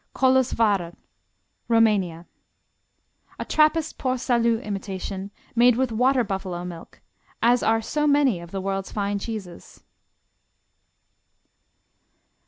Kolosvarer Rumania A Trappist Port Salut imitation made with water buffalo milk, as are so many of the world's fine cheeses.